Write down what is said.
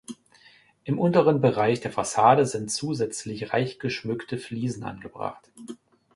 Im unteren Bereich der Fassade sind zusätzlich reich geschmückte Fliesen angebracht.